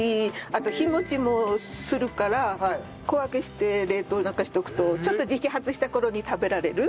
あと日持ちもするから小分けして冷凍なんかしておくとちょっと時期外した頃に食べられる。